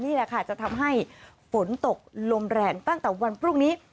นี่แหละค่ะจะทำให้ฝนตกลมแรงตั้งแต่วันพรุ่งนี้